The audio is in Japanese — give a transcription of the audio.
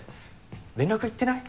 連絡いってない？